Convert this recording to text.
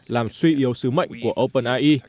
làm suy yếu sứ mệnh của openre